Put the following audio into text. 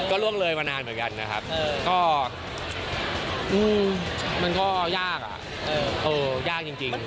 ก็ล่วงเลยมานานเหมือนกันนะครับก็มันก็ยากอะยากจริง